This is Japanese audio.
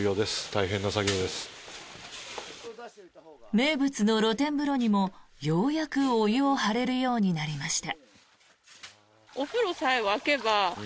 名物の露天風呂にもようやくお湯を張れるようになりました。